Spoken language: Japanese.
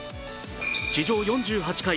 地上４８階